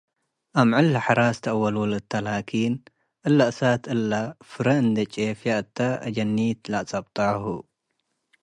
አምዕለ ሐራስ ተአወልውላተ ላኪን፣ እለ እሳት እለ ፍሬ እንዴ ጩፍየ እተ አጀኒት ለአጸብጣሁ ።